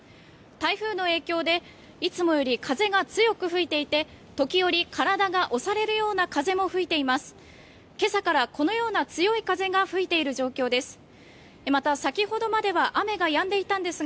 台風の影響でいつもより風が強く吹いていて時折、体が押されるような風も吹いています。